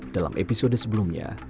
dalam episode sebelumnya